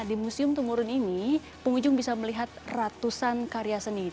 di museum temurun ini pengunjung bisa melihat ratusan karya seni